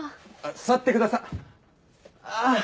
座ってくださあっ！